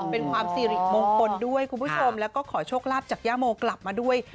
เป็นความสิริมงคลด้วยคุณผู้ชมแล้วก็ขอโชคลาภจากย่าโมกลับมาด้วย